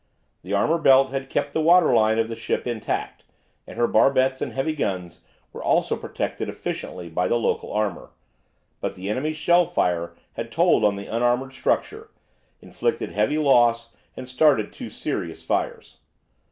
The armour belt had kept the water line of the ship intact, and her barbettes and heavy guns were also protected efficiently by the local armour, but the enemy's shell fire had told on the unarmoured structure, inflicted heavy loss, and started two serious fires.